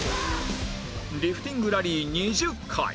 リフティングラリー２０回